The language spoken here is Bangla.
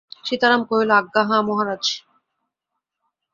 সীতারাম কহিল, আজ্ঞা হাঁ মহারাজ।